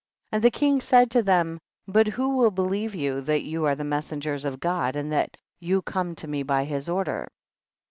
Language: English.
34. And the king said to them, but who will believe you that you are the messengers of God and that you come to me by his order